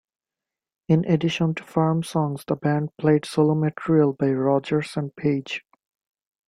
In addition to Firm songs, the band played solo material by Rodgers and Page.